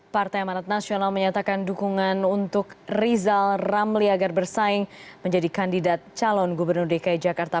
partai amanat nasional menyatakan dukungan untuk rizal ramli agar bersaing menjadi kandidat calon gubernur dki jakarta